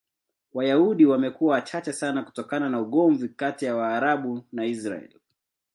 Wayahudi wamekuwa wachache sana kutokana na ugomvi kati ya Waarabu na Israel.